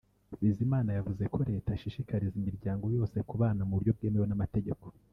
Bizimana yavuze ko Leta ishishikariza imiryango yose kubana mu buryo bwemewe n’amategeko